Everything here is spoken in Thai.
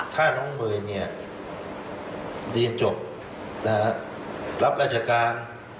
ถ้าน้องเบยเนี่ยเรียนจบแล้วรับราชการ